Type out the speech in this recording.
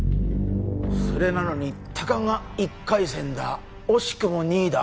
それなのにたかが１回戦だ惜しくも２位だ？